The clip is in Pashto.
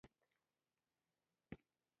د کدوانو بیلابیل ډولونه شتون لري.